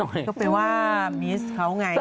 หมายถึงว่ามิสเขาไง